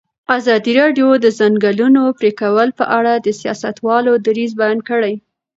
ازادي راډیو د د ځنګلونو پرېکول په اړه د سیاستوالو دریځ بیان کړی.